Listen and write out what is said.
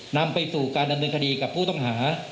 นำไปสู่การดำเนินคดีกับผู้ต้องหา